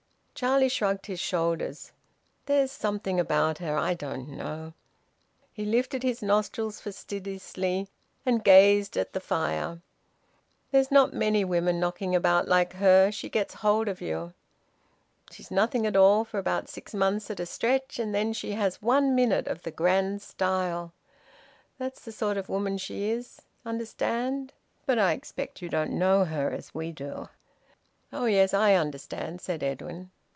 Charlie shrugged his shoulders. "There's something about her... I don't know " He lifted his nostrils fastidiously and gazed at the fire. "There's not many women knocking about like her... She gets hold of you. She's nothing at all for about six months at a stretch, and then she has one minute of the grand style... That's the sort of woman she is. Understand? But I expect you don't know her as we do." "Oh yes, I understand," said Edwin.